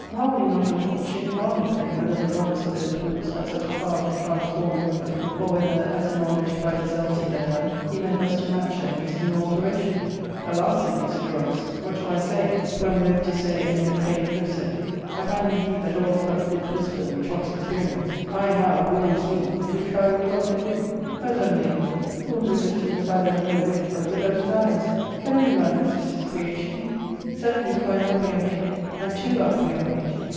marvelling not a little, she de manded of him whether the goddess of those woods had such a power to transform everybody ; or whether, as in all enterprises else he had done, he meant thus to match her in this new alteration, '^ Alas !" said Musidorus, */ what shall I say, who am loth to say, and yet fain would have said ?} ^nd, indeed, that all is but lip wisdom which wants experience. ^I now (woe is me !^ do try what love can do. O Zelmane, who will resist it must either have no wit, or put out his yeyes. Can any man resist his creation ? Certainly by love we are made, and to love we are made.